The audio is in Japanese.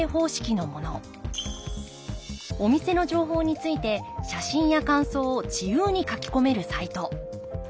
お店の情報について写真や感想を自由に書き込めるサイト。